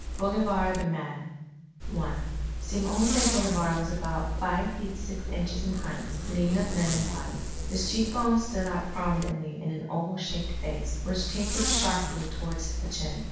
BOLIVAR THE MAN I Simon de Bolivar was about five feet six inches in height, lean of limb and body. His cheek bones stood out prominently in an oval shaped face, which tapered sharply towards the chin.